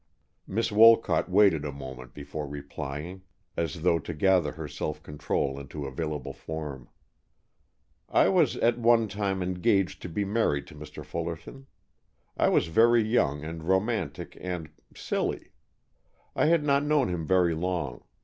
Miss Wolcott waited a moment before replying, as though to gather her self control into available form. "I was at one time engaged to be married to Mr. Fullerton. I was very young and romantic and silly. I had not known him very long.